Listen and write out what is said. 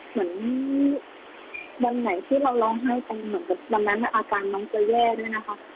เหมือนวันไหนที่เราร้องไห้กันเหมือนกับวันนั้นอาการน้องจะแย่เนี่ยนะคะ